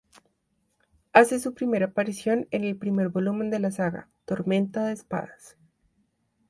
Hace su primera aparición en el tercer volumen de la saga, "Tormenta de espadas".